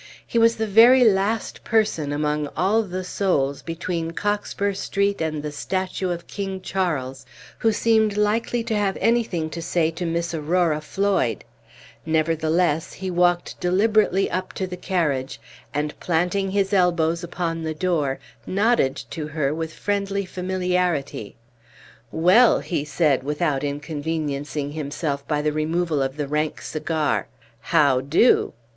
He was the very last person, among all the souls between Cockspur street and the statue of King Charles, who seemed likely to have anything to say to Miss Aurora Floyd; nevertheless, he walked deliberately up to the carriage, and, planting his elbows upon the door, nodded to her with friendly familiarity. "Well," he said, without inconveniencing himself by the removal of the rank cigar, "how do?"